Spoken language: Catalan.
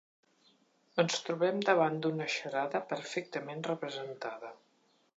Ens trobem davant d'una xarada perfectament representada.